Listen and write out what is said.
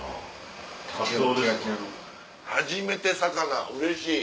初めて魚うれしい。